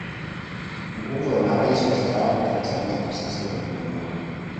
nguvu ya marais wastaafu tanzania kwa sasa imepungua